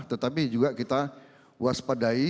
tetapi juga kita waspadai